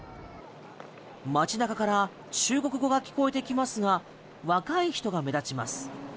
街中から中国語が聞こえてきますが若い人が目立ちます。